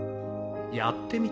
やってみて。